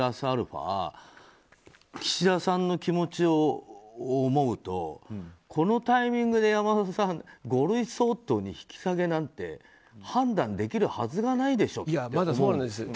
アルファ岸田さんの気持ちを思うとこのタイミングで山田さん五類相当に引き下げなんて判断できるはずがないでしょって思うんです。